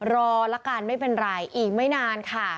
ละกันไม่เป็นไรอีกไม่นานค่ะ